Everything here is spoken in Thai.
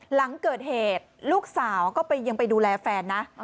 หลังเกิดเหตุลูกสาวก็ยังไปดูแลแฟนนะ